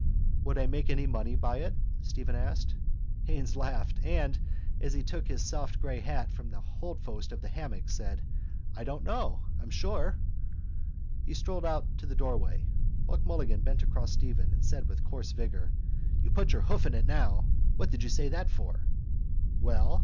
—Would I make any money by it? Stephen asked. Haines laughed and, as he took his soft grey hat from the holdfast of the hammock, said: —I don't know, I'm sure. He strolled out to the doorway. Buck Mulligan bent across to Stephen and said with coarse vigour: —You put your hoof in it now. What did you say that for? —Well?